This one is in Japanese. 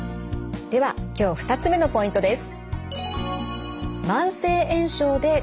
では今日２つ目のポイントです。